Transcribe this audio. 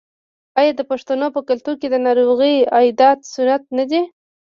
آیا د پښتنو په کلتور کې د ناروغ عیادت سنت نه دی؟